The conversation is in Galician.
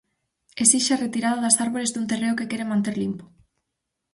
Esixe a retirada das árbores dun terreo que quere manter limpo.